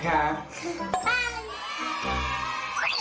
เป็นอะไรนะ